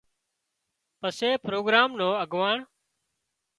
پسي پروگرام نو اڳواڻ